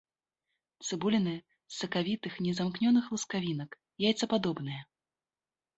Цыбуліны з сакавітых незамкнёных лускавінак, яйцападобныя.